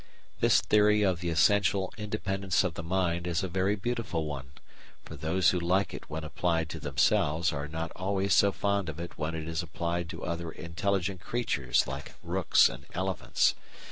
This theory of the essential independence of the mind is a very beautiful one, but those who like it when applied to themselves are not always so fond of it when it is applied to other intelligent creatures like rooks and elephants.